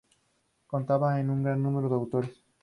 Contaba con un gran número de autores.